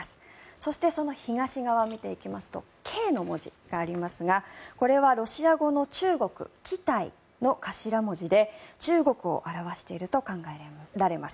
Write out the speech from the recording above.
そして、その東側を見ていきますと「Ｋ」の文字がありますがこれはロシア語の中国Ｋｉｔａｙの頭文字で中国を表していると考えられます。